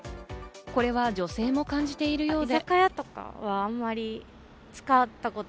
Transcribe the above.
これは女性も感じているようで。